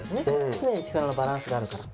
常に力のバランスがあるから。